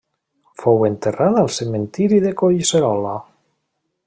Fou enterrat al Cementiri de Collserola.